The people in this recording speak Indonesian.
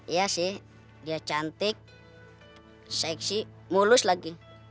iya sih dia cantik seksi mulus lagi